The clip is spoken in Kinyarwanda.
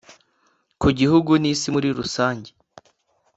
ku gihugu n’Isi muri rusange